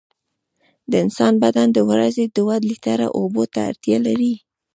د انسان بدن د ورځې دوه لېټره اوبو ته اړتیا لري.